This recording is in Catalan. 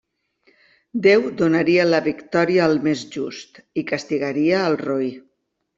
Déu donaria la victòria al més just i castigaria al roí.